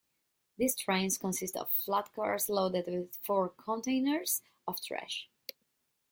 These trains consist of flatcars loaded with four containers of trash.